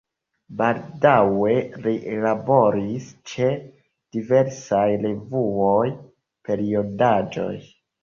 Baldaŭe li laboris ĉe diversaj revuoj, periodaĵoj.